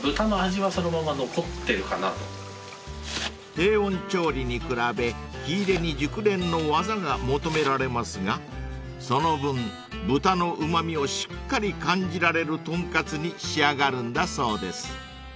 ［低温調理に比べ火入れに熟練の技が求められますがその分豚のうま味をしっかり感じられるとんかつに仕上がるんだそうです］